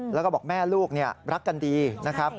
แล้วก็บอกแม่ลูกรักกันดีนะครับ